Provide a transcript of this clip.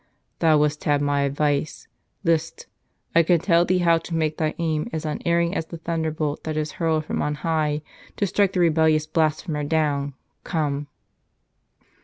"Thou wouldst have my advice. List. I can tell thee how to make thy aim as unerring as the thunderbolt that is hurled from on high to strike the rebellious blasphemer down. Come."